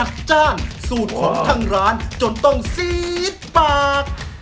อาจจะกินแล้วดูอย่างอร่อยนิดนึง